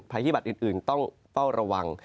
ที่บัตรอื่นต้องเฝ้าระวัง